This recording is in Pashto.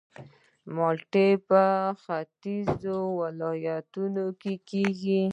مالټې په ختیځو ولایتونو کې کیږي